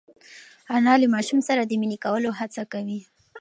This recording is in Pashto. انا له ماشوم سره د مینې کولو هڅه کوي.